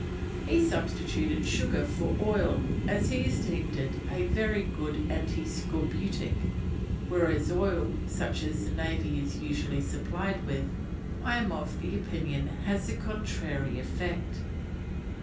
He substituted sugar for oil, as he esteemed it "a very good anti scorbutic, whereas oil (such as the navy is usually supplied with) I am of opinion has the contrary effect."